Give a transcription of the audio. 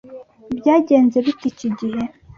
Byagenze bite iki gihe?